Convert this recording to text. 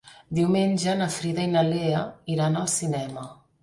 Diumenge na Frida i na Lea iran al cinema.